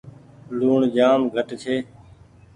لوڻ جآم گھٽ ڇي۔